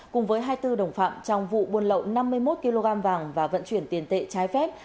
cùng với hai mươi bốn đồng phạm trong vụ buôn lậu năm mươi một kg vàng và vận chuyển tiền tệ trái phép